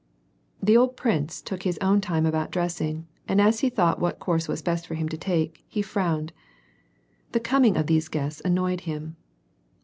" The old prince took his own time about dressing, and as he thought what course was best for him to take, he frowned. The coming of these guests annoyed him.